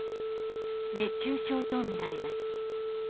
熱中症とみられます。